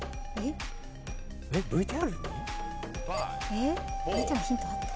えっＶＴＲにヒントあった？